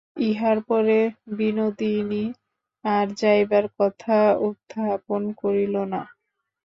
ইহার পরে বিনোদিনী আর যাইবার কথা উত্থাপন করিল না।